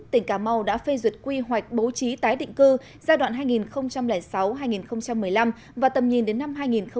tỉnh cà mau đã phê duyệt quy hoạch bố trí tái định cư giai đoạn hai nghìn sáu hai nghìn một mươi năm và tầm nhìn đến năm hai nghìn ba mươi